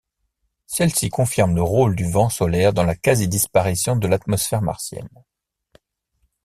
Celle-ci confirme le rôle du vent solaire dans la quasi-disparition de l'atmosphère martienne.